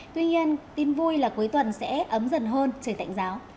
tuy nhiên tin vui là cuối tuần sẽ ấm dần hơn trời tạnh giáo